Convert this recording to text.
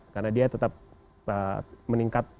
karena dia tetap meningkat